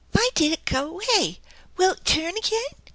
Vy did it do avay? Will it turn adin?"